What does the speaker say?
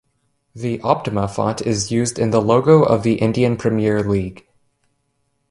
The Optima font is used in the logo of the Indian Premier League.